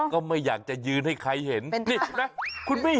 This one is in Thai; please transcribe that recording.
เขาไม่อยากจะยืนให้ใครเห็น